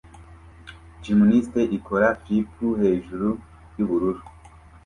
Gymnast ikora flip hejuru yubururu